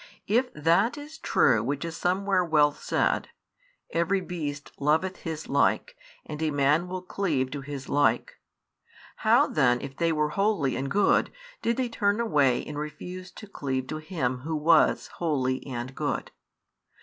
If that is true which is somewhere well said: Every beast loveth his like, and a man will cleave to his like, how then if they were holy and good did they turn away and refuse to cleave to Him Who was holy and good?